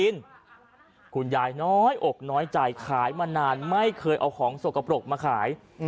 คุณยายน้อยอกน้อยใจขายมานานไม่เคยเอาของสกปรกมาขาย